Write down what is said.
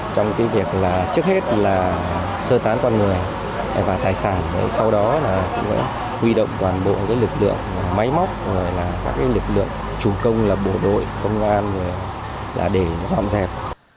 trong việc trước hết là sơ tán con người và tài sản sau đó là huy động toàn bộ lực lượng máy móc lực lượng chủ công bộ đội công an để dọn dẹp